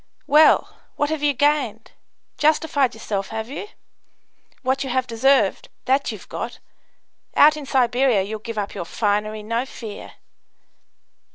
"Well! What have you gained? justified yourself, have you? What you have deserved, that you've got. Out in Siberia you'll give up your finery, no fear!"